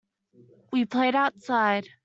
We played outside.